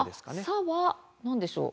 「さ」は何でしょう？